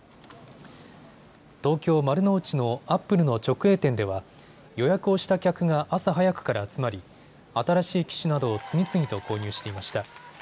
東京丸の内のアップルの直営店では予約をした客が朝早くから集まり、新しい機種などを次々と購入していました。